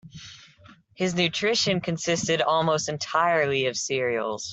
His nutrition consisted almost entirely of cereals.